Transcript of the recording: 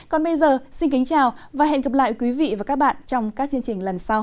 còn bây giờ xin kính chào và hẹn gặp lại quý vị và các bạn trong các chương trình lần sau